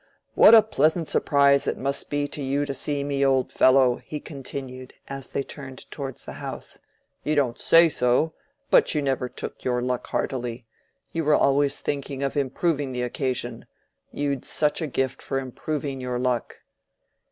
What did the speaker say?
What a pleasant surprise it must be to you to see me, old fellow!" he continued, as they turned towards the house. "You don't say so; but you never took your luck heartily—you were always thinking of improving the occasion—you'd such a gift for improving your luck."